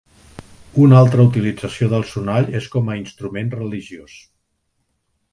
Una altra utilització del sonall és com a instrument religiós.